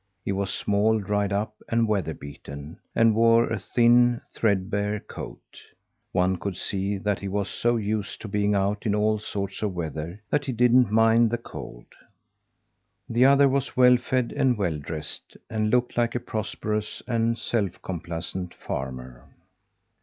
He was small, dried up and weather beaten, and wore a thin, threadbare coat. One could see that he was so used to being out in all sorts of weather that he didn't mind the cold. The other was well fed and well dressed, and looked like a prosperous and self complacent farmer.